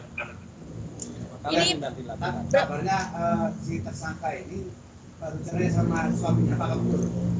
apalagi si tersangka ini baru cerai sama suaminya pak ketur